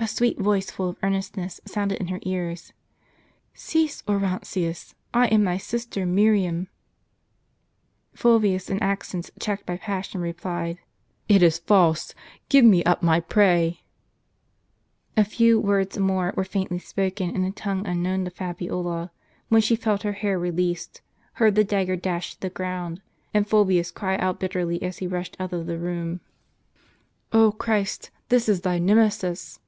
A sweet voice full of earnestness sounded in her ears :" Cease, Orontius ; I am thy sister Miriam !" Fulvius, in accents choked by passion, replied :" It is false ; give me up my prey !" A few words more were faintly spoken in a tongue unknown to Fabiola ; when she felt her hair released, heard the dagger dashed to the ground, and Fulvius cry out bitterly, as he rushed out of the room :" 0 Christ ! this is Thy Nemesis